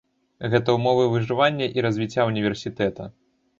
Гэта ўмовы выжывання і развіцця ўніверсітэта.